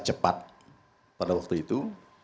cepat pada waktu itu